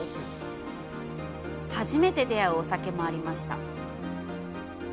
初めて出会うお酒もありました。